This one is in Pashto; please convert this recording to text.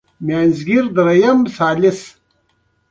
او نه اۤهو چشمه ده